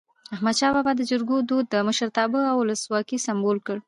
احمد شاه بابا د جرګو دود د مشرتابه او ولسواکی سمبول کړ.